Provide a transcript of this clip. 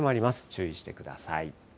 注意してください。